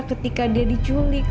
ketika dia diculik